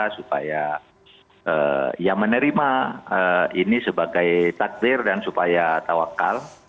supaya ya menerima ini sebagai takdir dan supaya tawakal